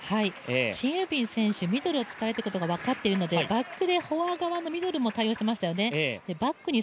シン・ユビン選手、ミドルを使ってくることが分かっていますので、フォア側のミドルも多用していましたよね。